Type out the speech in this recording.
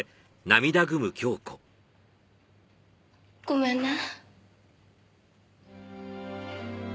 ごめんね。